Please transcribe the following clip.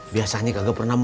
biasanya kagak pernah mau